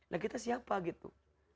nah kita siapa gitu